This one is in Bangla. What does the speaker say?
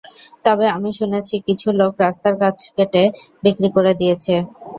তবে আমি শুনেছি কিছু লোক রাস্তার গাছ কেটে বিক্রি করে দিয়েছে।